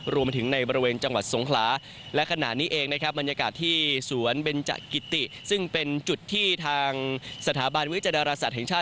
รวมถึงในบริเวณจังหวัดสงคลา